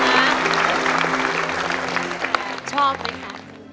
ระหว่างนี้มันไกลป้ายังหอมไม่ได้